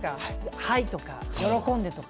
はいとか、喜んでとか。